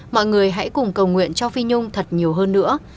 mọi người hãy cùng cầu nguyện cho phi nhung thật nhiều hơn nữa